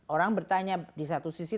orang bertanya di satu sisi